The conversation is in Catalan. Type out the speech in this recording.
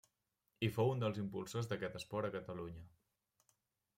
I fou un dels impulsors d'aquest esport a Catalunya.